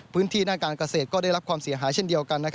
พื้นที่ด้านการเกษตรก็ได้รับความเสียหายเช่นเดียวกัน